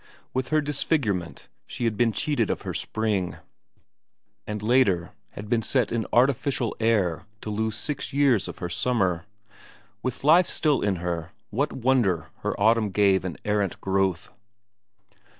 With her disfigurement, she had been cheated of her spring, and later, had been set in artificial air to lose six years of her summer; with life still in her, what wonder her autumn gave an errant growth?